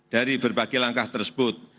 dari berbagai langkah tersebut